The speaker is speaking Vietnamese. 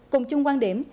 cùng chung quan điểm